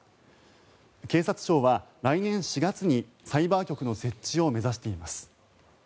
警察庁は来年４月にサイバー局の設置を目指しています。